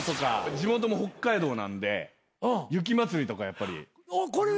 地元も北海道なんで雪まつりとかやっぱり。